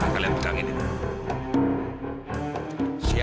kalian perangin ini